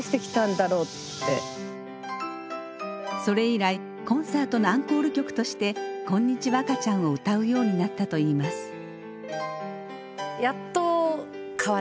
それ以来コンサートのアンコール曲として「こんにちは赤ちゃん」を歌うようになったといいます。